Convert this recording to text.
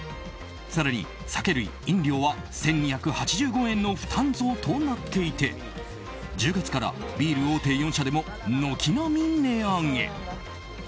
更に酒類・飲料は１２８５円の負担増となっていて１０月からビール大手４社でも軒並み値上げ。